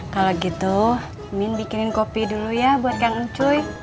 kalau gitu min bikinin kopi dulu ya buat kang engcuy